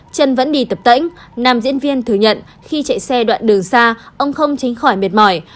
chân vẫn đi tập tỉnh nam diễn viên thừa nhận khi chạy xe đoạn đường xa ông không tránh khỏi mệt mỏi